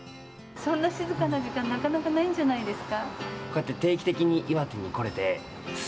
そんな静かな時間なかなかないんじゃないんですか。